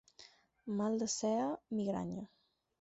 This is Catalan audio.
Mal de cella, migranya.